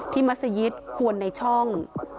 ที่มัศยิตขวนในช่อง